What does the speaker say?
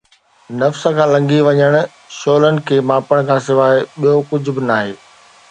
نفس کان لنگهي وڃڻ، شعلن کي ماپڻ کان سواءِ ٻيو ڪجهه به ناهي